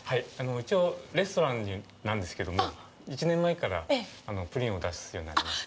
一応レストランなんですけども１年前からプリンを出すようになりまして。